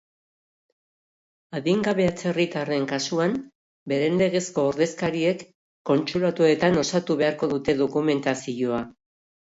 Adingabe atzerritarren kasuan, beren legezko ordezkariek kontsulatuetan osatu beharko dute dokumentazioa.